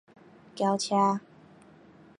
轎車